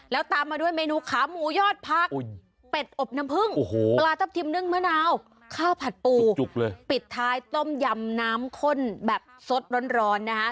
แล้วตามมาด้วยเมนูขาหมูยอดพักเป็ดอบน้ำพึ่งปลาทับทิมนึ่งมะนาวข้าวผัดปูปิดท้ายต้มยำน้ำข้นแบบสดร้อนนะคะ